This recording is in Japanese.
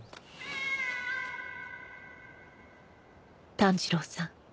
「炭治郎さん